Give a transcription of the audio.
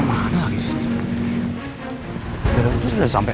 maaf ya jess menunggu lam